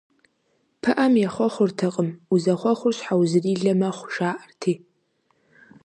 Пыӏэм ехъуэхъуртэкъым, узэхъуэхъур щхьэузрилэ мэхъу, жаӏэрти.